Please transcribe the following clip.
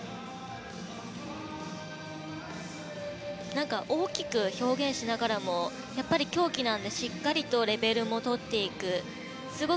何か大きく表現しながらもやっぱり競技なので、しっかりとレベルもとっていく。